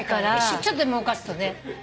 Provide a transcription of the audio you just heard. ちょっとでも動かすとね。